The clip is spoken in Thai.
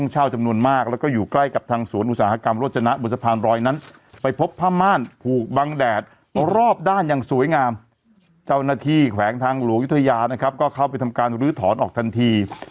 เจ้าหน้าที่แขวงทางหลวงยุธยานะครับก็เข้าไปทำการลื้อถอนออกทันที